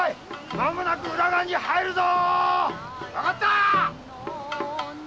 まもなく浦賀に入るぞ！